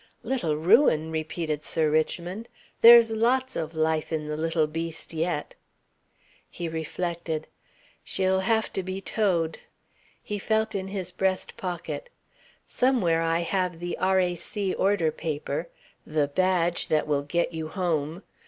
"Little ruin!" repeated Sir Richmond. "No. There's lots of life in the little beast yet." He reflected. "She'll have to be towed." He felt in his breast pocket. "Somewhere I have the R.A.C. order paper, the Badge that will Get You Home.